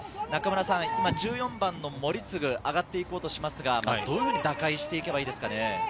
今、１４番の森次が上がって行こうとしますが、どういうふうに打開して行けばいいですかね。